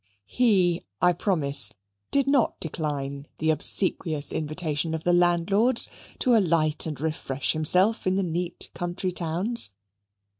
HE, I promise, did not decline the obsequious invitation of the landlords to alight and refresh himself in the neat country towns.